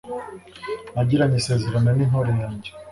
nagiranye isezerano n'intore yanjye